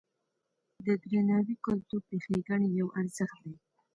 د درناوي کلتور د ښېګڼې یو ارزښت دی.